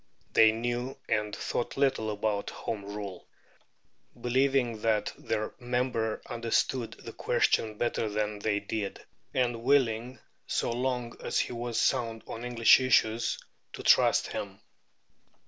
They knew and thought little about Home Rule, believing that their member understood that question better than they did, and willing, so long as he was sound on English issues, to trust him.